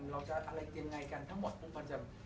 เราจะอะไรกันไงกันทั้งหมด